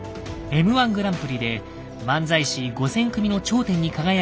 Ｍ−１グランプリで漫才師５，０００組の頂点に輝いた瞬間